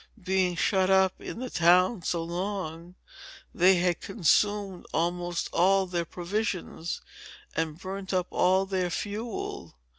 Being shut up in the town so long, they had consumed almost all their provisions, and burnt up all their fuel.